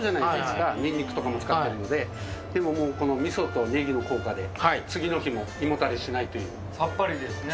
ニンニクとかも使ってるのででももうこの味噌とネギの効果で次の日も胃もたれしないというさっぱりですね